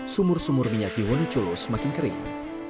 sumur sumur minyak di wonocolo semakin kering